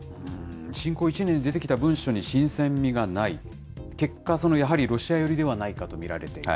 侵攻１年で出てきた文書に新鮮味がない、結果、やはりロシア寄りではないかと見られている。